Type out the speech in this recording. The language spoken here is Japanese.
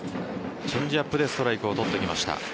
チェンジアップでストライクを取ってきました。